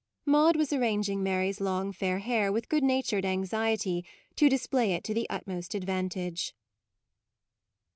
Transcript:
Maude was arranging Mary's long fair hair with good natured anxiety to display it to the utmost advantage.